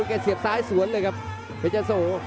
เสียบซ้ายสวนเลยครับเพชรยะโส